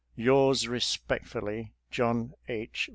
" Yours respectfully, " John H.